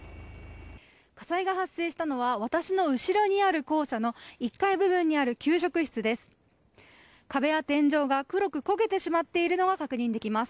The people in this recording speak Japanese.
火災が発生したのは私の後ろにある校舎の１階部分にある給食室です。